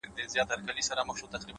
• د نرګس او د غاټول له سترګو توی کړل ,